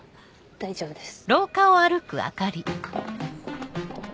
大丈夫です。